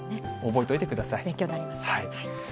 覚えといてください。